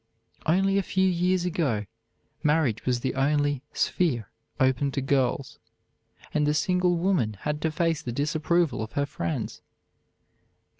Only a few years ago marriage was the only "sphere" open to girls, and the single woman had to face the disapproval of her friends.